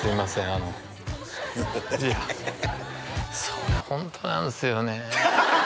あのいやそれホントなんすよね